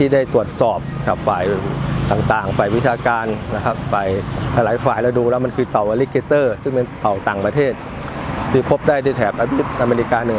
เด็กน้ำเตียนมาเรียกเด็กน้ำเตียนไปดูแล้วนะไม่เคยเห็น